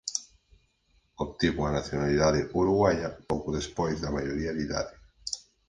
Obtivo a nacionalidade uruguaia pouco despois da maioría de idade.